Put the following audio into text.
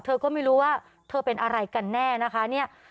เธอก็ไม่รู้ว่าเธอเป็นอะไรกันแน่นะคะเนี่ย